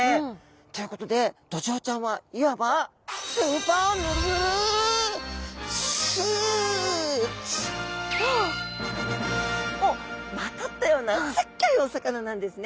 ということでドジョウちゃんはいわばをまとったようなすっギョいお魚なんですね。